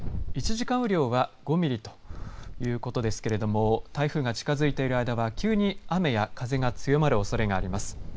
１時間雨量は５ミリということですけれども台風が近づいている間は急に雨や風が強まるおそれがあります。